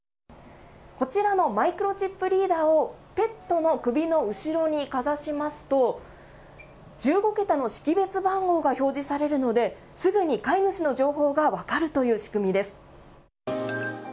こちらのマイクロチップリーダーをペットの首の後ろにかざしますと１５桁の識別番号が表示されるのですぐに飼い主の情報が分かるという仕組みです。